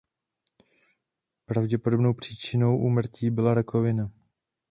Pravděpodobnou příčinou úmrtí byla rakovina.